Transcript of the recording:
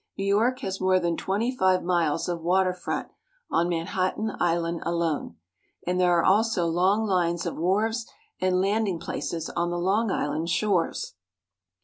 New York has more than twenty five miles of water front on Manhattan Island alone, and there are also long lines of wharves and landing places on the Long Island shores.